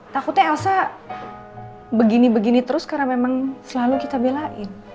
takutnya elsa begini begini terus karena memang selalu kita belain